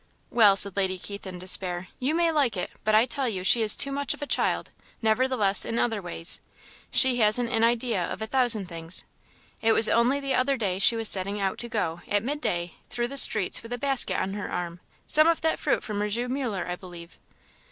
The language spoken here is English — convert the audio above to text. "Well," said Lady Keith, in despair, "you may like it; but I tell you she is too much of a child, nevertheless, in other ways. She hasn't an idea of a thousand things. It was only the other day she was setting out to go, at mid day, through the streets, with a basket on her arm some of that fruit for M. Muller, I believe."